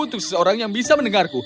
untuk seseorang yang bisa mendengarku